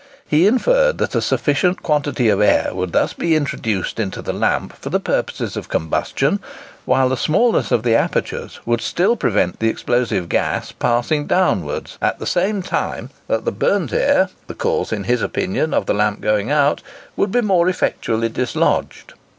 He inferred that a sufficient quantity of air would thus be introduced into the lamp for the purposes of combustion, while the smallness of the apertures would still prevent the explosive gas passing downwards, at the same time that the "burnt air" (the cause, in his opinion, of the lamp going out) would be more effectually dislodged.